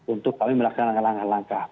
untuk kami melaksanakan langkah langkah